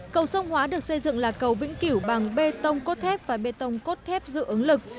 cầu sông hóa được xây dựng là cầu vĩnh kiểu bằng bê tông cốt thép và bê tông cốt thép dự ứng lực